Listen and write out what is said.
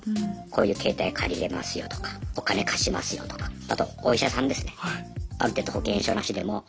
こういう携帯借りれますよとかお金貸しますよとかあとお医者さんですねある程度保険証なしでも。